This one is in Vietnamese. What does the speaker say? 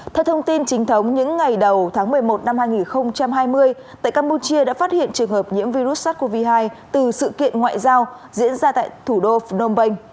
theo thông tin chính thống những ngày đầu tháng một mươi một năm hai nghìn hai mươi tại campuchia đã phát hiện trường hợp nhiễm virus sars cov hai từ sự kiện ngoại giao diễn ra tại thủ đô phnom penh